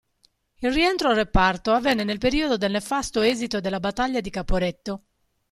Il rientro al Reparto avvenne nel periodo del nefasto esito della battaglia di Caporetto.